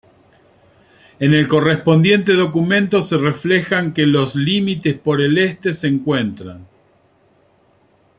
En el correspondiente documento se reflejan que los límites por el este se encuentran.